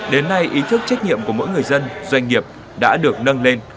đến nay ý thức trách nhiệm của mỗi người dân doanh nghiệp đã được nâng lên